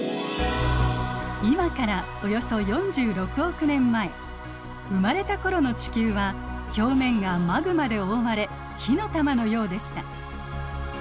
今からおよそ生まれた頃の地球は表面がマグマで覆われ火の玉のようでした。